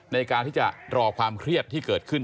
ในการที่จะรอความเครียดที่เกิดขึ้น